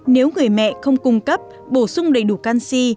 nếu người mẹ không cung cấp bổ sung đầy đủ canxi